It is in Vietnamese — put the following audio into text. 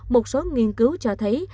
một số nghiên cứu cho thấy